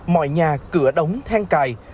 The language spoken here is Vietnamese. mọi nhà cửa đóng than cài